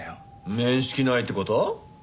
面識ないって事？